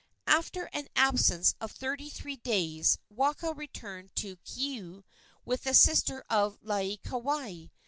After an absence of thirty three days Waka returned to Keaau with the sister of Laieikawai.